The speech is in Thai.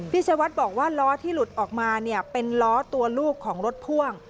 ชวัดบอกว่าล้อที่หลุดออกมาเนี่ยเป็นล้อตัวลูกของรถพ่วง